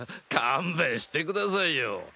勘弁してくださいよ。